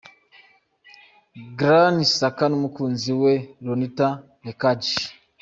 Granit Xhaka n’umukunzi we Leonita Lekaj.